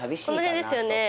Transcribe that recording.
この辺ですよね。